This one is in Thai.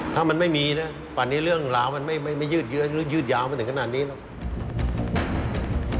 ถ้ามันไม่มีป็าร์นี่เรื่องหลาวยืดยาวไปถึงขนาดนี้หรอก